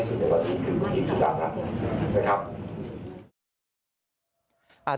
สุดท้ายครับ